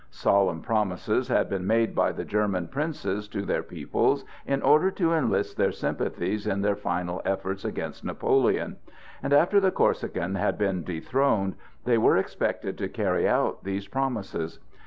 Solemn promises had been made by the German princes to their peoples in order to enlist their sympathies in their final efforts against Napoleon, and after the Corsican had been dethroned, they were expected to carry out these promises.